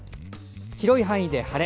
広い範囲で晴れ。